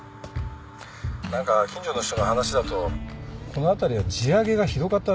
何か近所の人の話だとこの辺りは地上げがひどかったらしいよ。